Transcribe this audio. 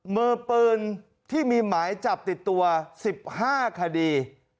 มือปืนที่มีหมายจับติดตัว๑๕คดี